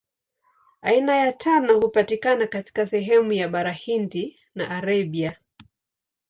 Aina ya tano hupatikana katika sehemu ya Bara Hindi na Arabia.